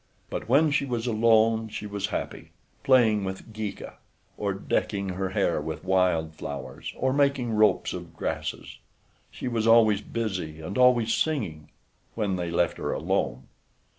But when she was alone she was happy, playing with Geeka, or decking her hair with wild flowers, or making ropes of grasses. She was always busy and always singing—when they left her alone.